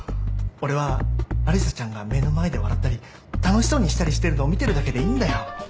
俺はアリサちゃんが目の前で笑ったり楽しそうにしたりしてるのを見てるだけでいいんだよ。